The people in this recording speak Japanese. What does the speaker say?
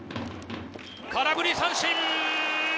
空振り三振。